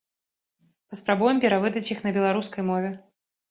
Паспрабуем перавыдаць іх на беларускай мове.